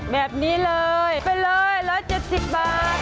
แบบนี้เลยไปเลย๑๗๐บาท